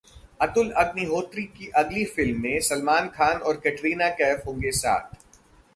अतुल अग्निहोत्री की अगली फिल्म में सलमान खान और कटरीना कैफ होंगे साथ